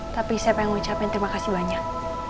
tapi siapa yang ngucapin terima kasih banyak